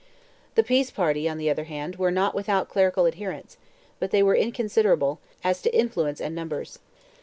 The peace party, on the other hand, were not without clerical adherents, but they were inconsiderable, as to influence and numbers.